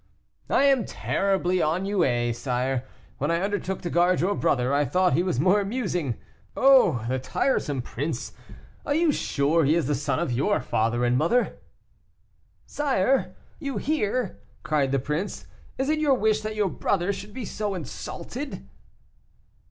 "I am terribly ennuyé, sire; when I undertook to guard your brother, I thought he was more amusing. Oh! the tiresome prince; are you sure he is the son of your father and mother?" "Sire! you hear," cried the prince, "is it your wish that your brother should be insulted?"